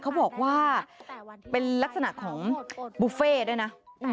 เขาบอกว่าเป็นลักษณะของบุฟเฟ่ด้วยนะ